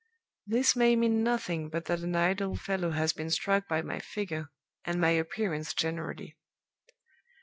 "This may mean nothing but that an idle fellow has been struck by my figure, and my appearance generally.